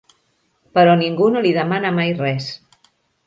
Però ningú no li demana mai res.